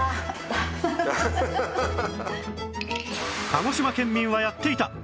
鹿児島県民はやっていた！